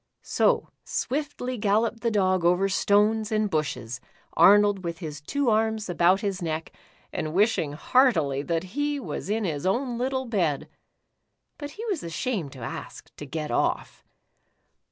So, swiftly galloped the Dog over stones and bushes, Arnold with his two arms The Iron Dog. 167 about his neck and wishing heartily that he was in his ow^n little bed. But he w^as ashamed to ask to get off.